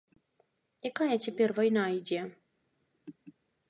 Якая цяпер вайна ідзе?